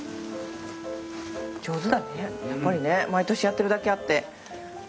上手だねやっぱりね毎年やってるだけあってさすがです。